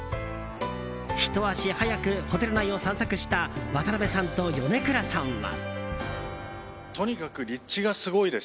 ひと足早くホテル内を散策した渡辺さんと米倉さんは。